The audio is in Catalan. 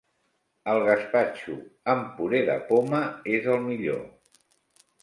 El gaspatxo amb puré de poma és el millor.